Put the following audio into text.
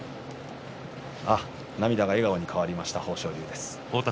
涙が笑顔に変わりました豊昇龍です。